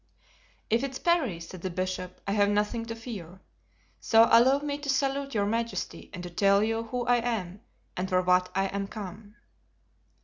"If it's Parry," said the bishop, "I have nothing to fear; so allow me to salute your majesty and to tell you who I am and for what I am come."